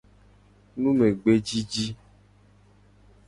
Numegbedidi.